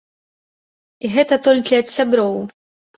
І гэта толькі ад сяброў.